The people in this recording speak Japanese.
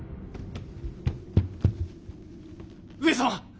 上様！